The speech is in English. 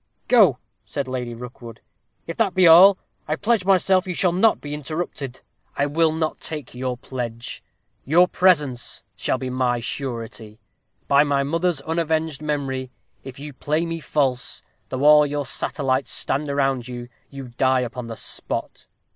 "Go," said Lady Rookwood; "if that be all, I pledge myself you shall not be interrupted." "I will not take your pledge; your presence shall be my surety. By my mother's unavenged memory, if you play me false, though all your satellites stand around you, you die upon the spot!